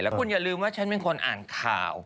คุณอย่าลืมว่าฉันเป็นคนอ่านข่าว